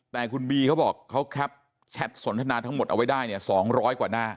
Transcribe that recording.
แต่คุณบีเขาบอกเขาแคปแชทสนทนาทั้งหมดเอาไว้ได้เนี่ย๒๐๐กว่าหน้า